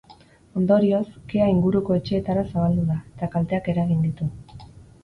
Ondorioz, kea inguruko etxeetara zabaldu da, eta kalteak eragin ditu.